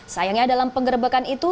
sayangnya dalam pengerebekan itu